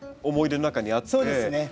そうですね。